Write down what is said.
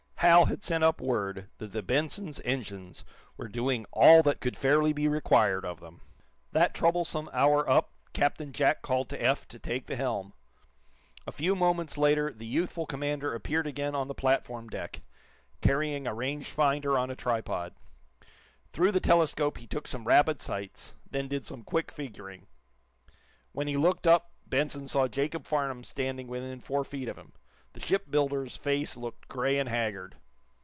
Hal had sent up word that the "Benson's" engines were doing all that could fairly be required of them. That troublesome hour up, Captain Jack called to Eph to take the helm. A few moments later the youthful commander appeared again on the platform deck, carrying a range finder on a tripod. Through the telescope he took some rapid sights, then did some quick figuring. When he looked up Benson saw Jacob Farnum standing within four feet of him. The shipbuilder's face looked gray and haggard.